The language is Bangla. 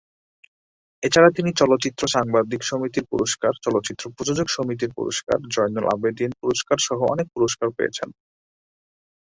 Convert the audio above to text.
এছাড়া তিনি চলচ্চিত্র সাংবাদিক সমিতির পুরস্কার, চলচ্চিত্র প্রযোজক সমিতির পুরস্কার, জয়নুল আবেদীন পুরস্কারসহ অনেক পুরস্কার পেয়েছেন।